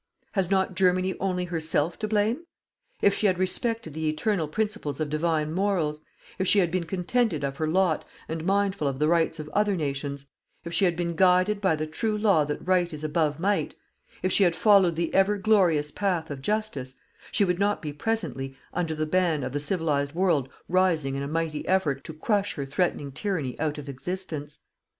Has not Germany only herself to blame? If she had respected the eternal principles of Divine Morals; if she had been contented of her lot and mindful of the rights of other nations; if she had been guided by the true law that Right is above Might; if she had followed the ever glorious path of Justice, she would not be presently under the ban of the civilized world rising in a mighty effort to crush her threatening tyranny out of existence.